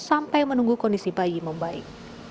sampai menunggu kondisi bayi membaik